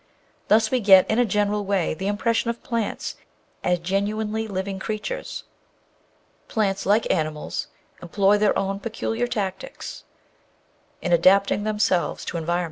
Thus we get in a general way the impres sion of plants as genuinely living creatures. Plants, like animals, employ their own peculiar tactics in Photo: Underwood & Underwood.